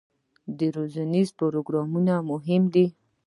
روزنیز پروګرامونه مهم دي